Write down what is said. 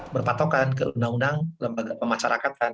berpatokan ke undang undang lembaga pemasyarakatan